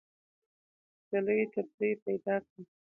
ډلې ټپلې پیدا کړې